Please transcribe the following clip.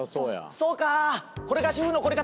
そうか。